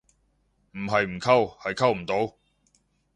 唔係唔溝，係溝唔到